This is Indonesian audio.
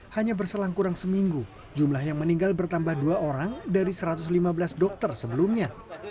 hanya berselang kurang seminggu jumlah yang meninggal bertambah dua orang dari satu ratus lima belas dokter sebelumnya